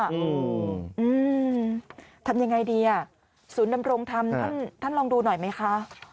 อืมทำยังไงดีอ่ะศูนย์ดำรงธรรมท่านท่านลองดูหน่อยไหมคะ